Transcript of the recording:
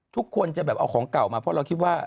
ทุกคนจะแบบเอาของเก่ามาเพราะเราคิดว่า